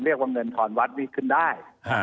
เรียกว่าเงินทอนวัดนี่ขึ้นได้